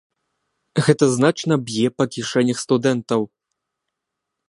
Гэта значна б'е па кішэнях студэнтаў.